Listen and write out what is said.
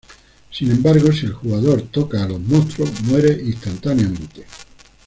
Sin embargo si el jugador toca a los monstruos muere instantáneamente.